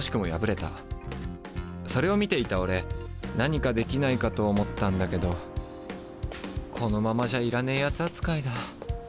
それを見ていたオレ何かできないかと思ったんだけどこのままじゃいらねえ奴扱いだ。